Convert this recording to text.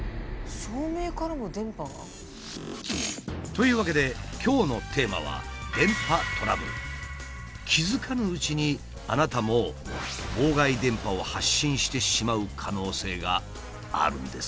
照明からも電波が？というわけで今日のテーマは気付かぬうちにあなたも妨害電波を発信してしまう可能性があるんです。